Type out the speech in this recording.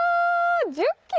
１０ｋｇ？